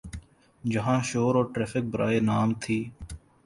جہاں شور اور ٹریفک برائے نام تھی۔